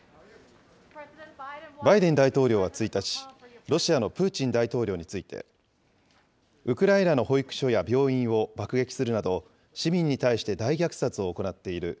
バイデン大統領は１日、ロシアのプーチン大統領について、ウクライナの保育所や病院を爆撃するなど、市民に対して大虐殺を行っている。